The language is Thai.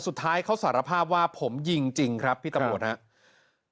สุดท้ายเขาสารภาพว่าผมยิงจริงครับพี่ตำรวจครับ